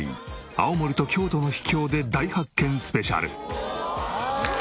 青森と京都の秘境で大発見スペシャル。